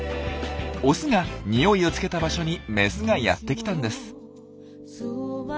オスがにおいをつけた場所にメスがやって来たんです。